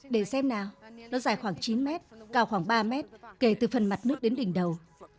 để xem nào nó dài khoảng chín mét cao khoảng ba mét kể từ phần mặt nước đến đỉnh đầu